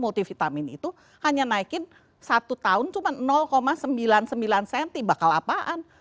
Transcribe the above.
multivitamin itu hanya naikin satu tahun cuma sembilan puluh sembilan cm bakal apaan